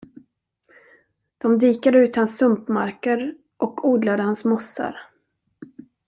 De dikade ut hans sumpmarker och odlade hans mossar.